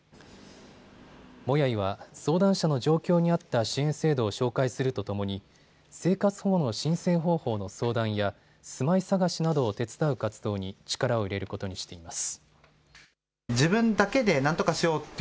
もやいは相談者の状況に合った支援制度を紹介するとともに生活保護の申請方法の相談や住まい探しなどを手伝う活動に力を入れることにしています。